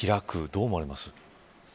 どう思われます。